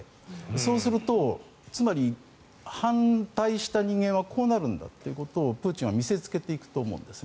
そうするとつまり反対した人間はこうなるんだということをプーチンは見せつけていくと思います。